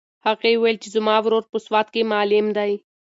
هغې وویل چې زما ورور په سوات کې معلم دی.